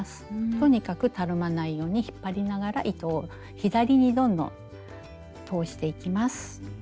とにかくたるまないように引っ張りながら糸を左にどんどん通していきます。